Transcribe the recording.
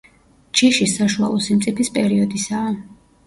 ჯიში საშუალო სიმწიფის პერიოდისაა.